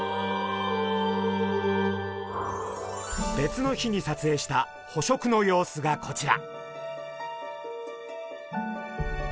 別の日にさつえいした捕食の様子がこちら。